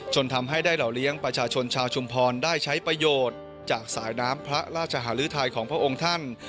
ทำให้ได้เหล่าเลี้ยงประชาชนชาวชุมพรได้ใช้ประโยชน์จากสายน้ำพระราชหารุทัยของพระองค์ท่าน